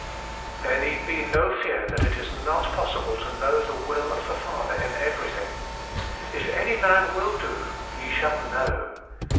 There need be no fear that it is not possible to know the will of the Father in everything. ' If any man will do, he shall know.'